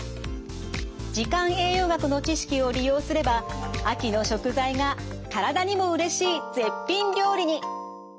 時間栄養学の知識を利用すれば秋の食材が体にもうれしい絶品料理に！